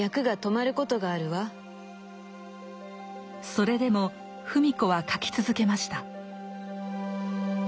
それでも芙美子は書き続けました。